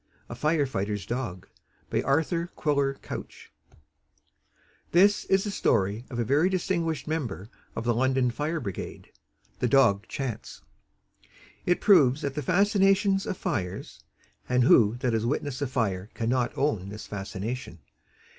A FIRE FIGHTER'S DOG By Arthur Quiller Couch This is the story of a very distinguished member of the London Fire Brigade the dog Chance. It proves that the fascinations of fires (and who that has witnessed a fire cannot own this fascination?)